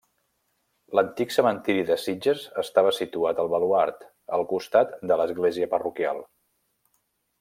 L'antic cementiri de Sitges estava situat al baluard, al costat de l'església parroquial.